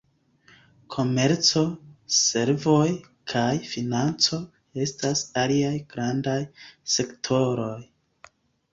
Komerco, servoj kaj financo estas aliaj grandaj sektoroj.